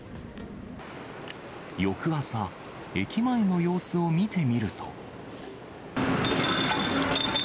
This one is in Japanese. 翌朝、駅前の様子を見てみると。